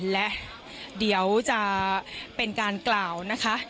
และเดี๋ยวจะเป็นการกล่าวนะคะ